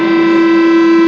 tanda kebesaran buka